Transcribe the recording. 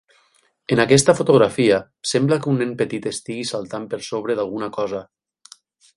En aquesta fotografia, sembla que un nen petit estigui saltant per sobre d"alguna cosa.